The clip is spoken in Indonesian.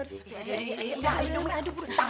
aduh aduh buru buru